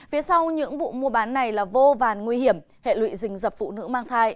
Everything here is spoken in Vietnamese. phía sau những vụ mua bán này là vô vàn nguy hiểm hệ lụy dình dập phụ nữ mang thai